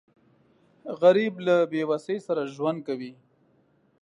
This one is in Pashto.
غریب له بېوسۍ سره ژوند کوي